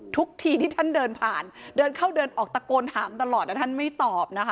ทุกทีที่ท่านเดินผ่านเดินเข้าเดินออกตะโกนถามตลอดแต่ท่านไม่ตอบนะคะ